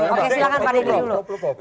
oke silahkan pak deddy dulu